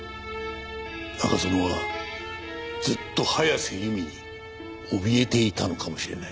中園はずっと早瀬由美に怯えていたのかもしれない。